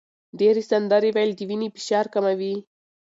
ډېر سندرې ویل د وینې فشار کموي.